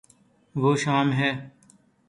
وہ شام ہے